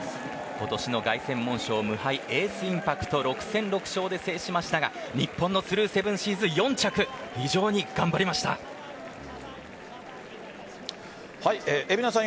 今年の凱旋門賞無敗・エースインパクト６戦６勝で制しましたが日本のスルーセブンシーズ、４着蛯名さん